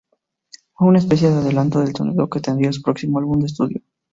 Fue una especie de adelanto del sonido que tendría su próximo álbum de estudio.